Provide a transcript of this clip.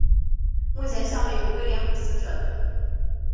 目前效力于威廉姆斯车队。